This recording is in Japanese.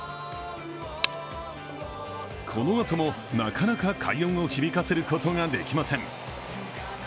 このあともなかなか快音を響かせることができません。